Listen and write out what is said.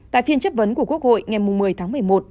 tại phiên chất vấn của quốc hội ngày một mươi tháng một mươi một